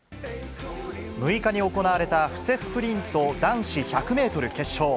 ６日に行われた、布勢スプリント男子１００メートル決勝。